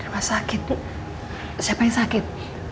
di rumah sakit siapa yang sakit